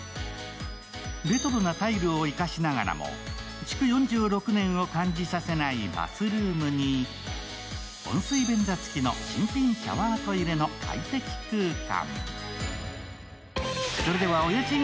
レトロなタイルを生かしながらも築４６年を感じさせないバスルームに、温水便座付きの新品シャワートイレの快適空間。